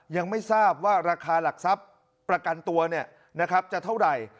ยังไม่ทราบว่าราคาหลักทรัพย์ประกันตัวจะเท่าไหร่